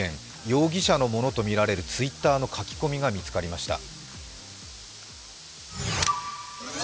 容疑者のものとみられるＴｗｉｔｔｅｒの書き込みが見つかりました。